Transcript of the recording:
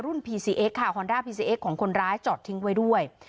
พีซีเอ็กค่ะฮอนด้าพีซีเอสของคนร้ายจอดทิ้งไว้ด้วย